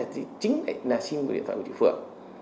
thì chính là sim điện thoại của chị phượng